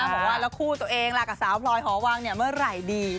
บอกว่าแล้วคู่ตัวเองล่ะกับสาวพลอยหอวังเมื่อไหร่ดี